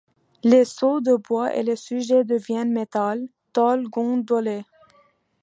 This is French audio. Les seaux de bois et les sujets deviennent métal, tôles gondolées.